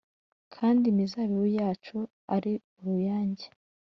kandi imizabibu yacu ari uruyange.